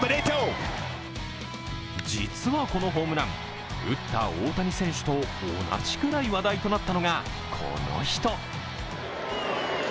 実はこのホームラン、打った大谷選手と同じくらい話題となったのが、この人。